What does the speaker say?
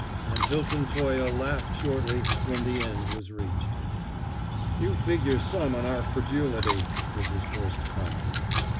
And Hilton Toye laughed shortly when the end was reached. "You figure some on our credulity!" was his first comment.